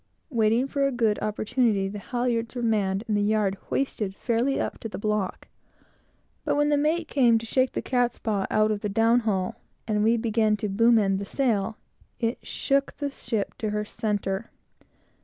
Waiting for a good opportunity, the halyards were manned and the yard hoisted fairly up to the block; but when the mate came to shake the catspaw out of the downhaul, and we began to boom end the sail, it shook the ship to her centre.